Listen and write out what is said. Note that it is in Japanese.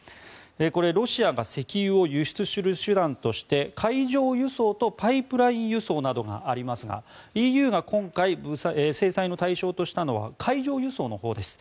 これはロシアが石油を輸出する手段として海上輸送とパイプライン輸送などがありますがＥＵが今回制裁の対象としたのは海上輸送のほうです。